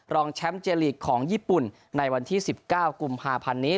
รองแชมป์เจลีกของญี่ปุ่นในวันที่๑๙กุมภาพันธ์นี้